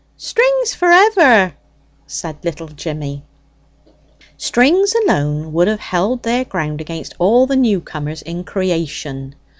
"Strings for ever!" said little Jimmy. "Strings alone would have held their ground against all the new comers in creation."